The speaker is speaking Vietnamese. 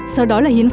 sau đó là hiến quốc